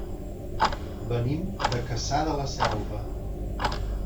Venim de Cassà de la Selva.